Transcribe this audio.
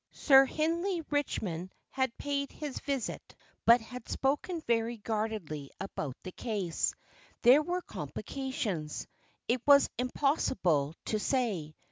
Sir Hindley Richmond had paid his visit, but had spoken very guardedly about the case. There were complications. It was impossible to say.